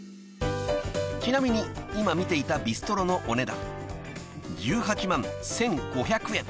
［ちなみに今見ていたＢｉｓｔｒｏのお値段１８万１，５００円］